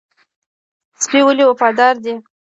سپی ولې وفادار دی؟